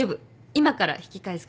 今から引き返すから。